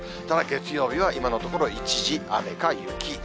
ただ月曜日は今のところ、一時雨か雪。